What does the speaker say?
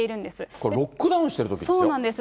これ、ロックダウンしているときですよ。